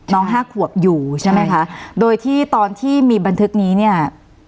ห้าขวบอยู่ใช่ไหมคะโดยที่ตอนที่มีบันทึกนี้เนี่ย